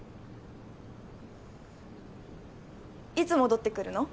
いつ戻ってくるの？